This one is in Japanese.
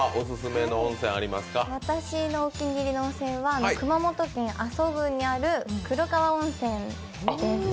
私のお気に入りの温泉は熊本県阿蘇郡にある黒川温泉です。